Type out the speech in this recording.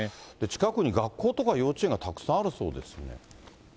近くに学校とか幼稚園がたくさんあるそうですね。